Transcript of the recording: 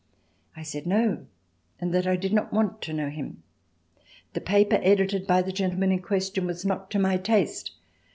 I said No, and that I did not want to know him. The paper edited by the gentleman in question was not to my taste.